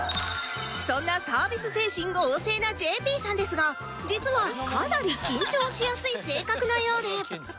そんなサービス精神旺盛な ＪＰ さんですが実はかなり緊張しやすい性格なようで